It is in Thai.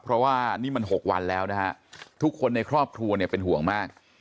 เพราะว่านี่มัน๖วันแล้วนะฮะทุกคนในครอบครัวเนี่ยเป็นห่วงมาก